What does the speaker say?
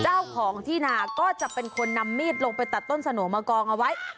เจ้าของที่นาก็จะเป็นคนนำมีดลงไปตัดต้นสโนมากองเอาไว้